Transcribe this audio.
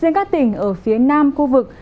riêng các tỉnh ở phía nam khu vực